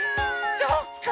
そっか。